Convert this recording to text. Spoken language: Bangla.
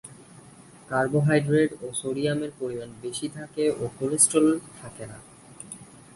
কার্বোহাইড্রেট ও সোডিয়ামের পরিমাণ বেশি থাকে ও কোলেস্টেরল থাকে না।